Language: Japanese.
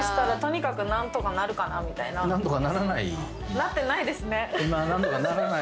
なってないですね。